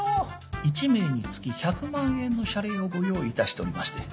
１名につき１００万円の謝礼をご用意いたしておりまして。